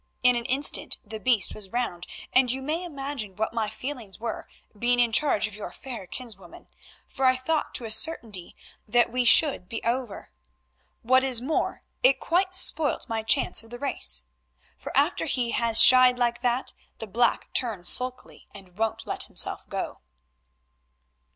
In an instant the beast was round and you may imagine what my feelings were, being in charge of your fair kinswoman, for I thought to a certainty that we should be over. What is more, it quite spoilt my chance of the race, for after he has shied like that, the black turns sulky, and won't let himself go."